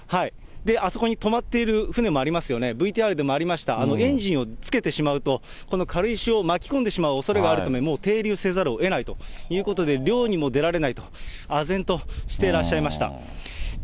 あそこに止まっている船もありますよね、ＶＴＲでもありました、エンジンをつけてしまうと、この軽石を巻き込んでしまうおそれがあるため、もう停留せざるをえないということで、漁にも出られないと、あぜんとしてらっしゃいました。